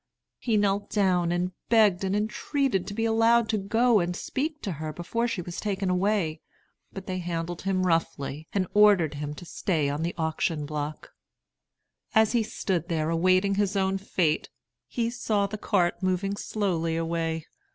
He knelt down and begged and entreated to be allowed to go and speak to her before she was taken away; but they handled him roughly, and ordered him to stay on the auction block. As he stood there awaiting his own fate, he saw the cart moving slowly away.